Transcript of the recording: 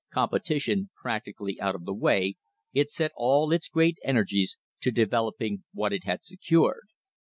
Competition practically out of the way, it set all its great energies to developing what it had secured.